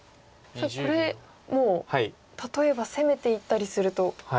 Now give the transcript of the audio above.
これもう例えば攻めていったりすると。